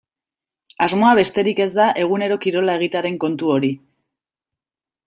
Asmoa besterik ez da egunero kirola egitearen kontu hori.